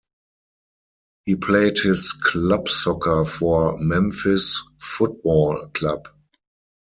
He played his club soccer for Memphis Futbol Club.